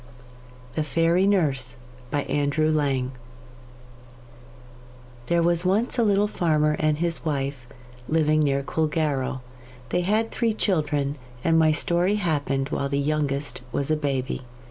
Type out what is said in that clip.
D. The Fairy Nurse There was once a little farmer and his wife living near Coolgarrow. They had three children, and my story happened while the youngest was a baby.